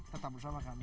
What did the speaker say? tetap bersama kami